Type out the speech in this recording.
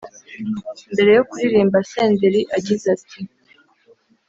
Mbere yo kuririmba Senderi agize ati